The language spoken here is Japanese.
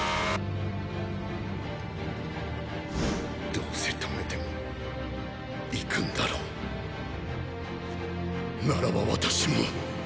どうせ止めても行くんだろうならば私も！